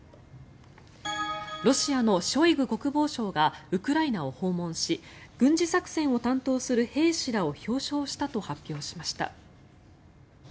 ロシアのショイグ国防相がウクライナを訪問し軍事作戦を担当する兵士らを表彰したと発表しました。